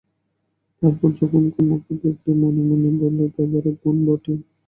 তার পর যখন কুমুকে দেখলে, মনে মনে বললে, দাদারই বোন বটে।